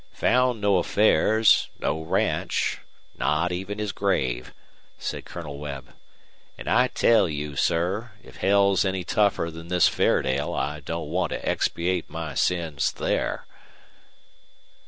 "Found no affairs, no ranch, not even his grave," said Colonel Webb. "And I tell you, sir, if hell's any tougher than this Fairdale I don't want to expiate my sins there."